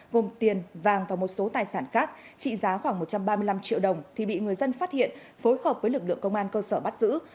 gồm tiền vàng và một số tài sản khác trị giá khoảng một trăm ba mươi năm triệu đồng thì bị người dân phát hiện phối hợp với lực lượng công an cơ sở bắt giữ